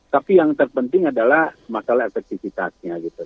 tapi yang terpenting adalah masalah efektivitasnya gitu